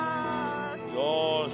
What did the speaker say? よし！